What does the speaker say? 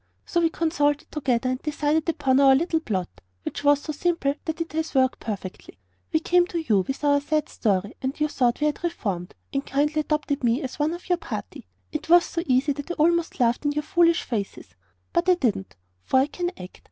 So we consulted together and decided upon our little plot, which was so simple that it has worked perfectly. We came to you with our sad story, and you thought we had reformed, and kindly adopted me as one of your party. It was so easy that I almost laughed in your foolish faces. But I didn't, for I can act.